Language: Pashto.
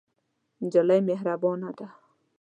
نجلۍ مهربانه ده.